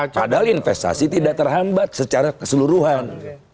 padahal investasi tidak terhambat secara keseluruhan